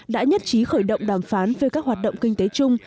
đã nhất trí khởi động đàm phán về các hoạt động kinh tế chung